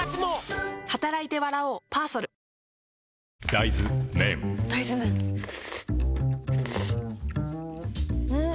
大豆麺ん？